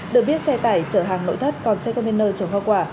được biết xe tải chở hàng nội thất còn xe container chở hoa quả